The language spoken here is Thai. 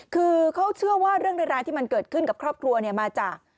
คือเขาเชื่อว่าเรื่องร้ายที่มันเกิดขึ้นกับครอบครัวเนี่ยมาจาก